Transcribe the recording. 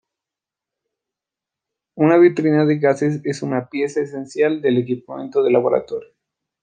Una vitrina de gases es una pieza esencial del equipamiento de laboratorio.